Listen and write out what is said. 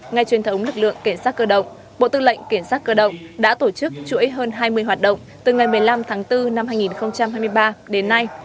ngày truyền thống lực lượng cảnh sát cơ động bộ tư lệnh cảnh sát cơ động đã tổ chức chuỗi hơn hai mươi hoạt động từ ngày một mươi năm tháng bốn năm hai nghìn hai mươi ba đến nay